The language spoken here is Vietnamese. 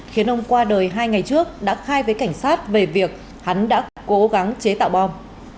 khiến ông qua đời hai ngày trước đã khai với cảnh sát về việc hắn đã cố gắng chế tạo bom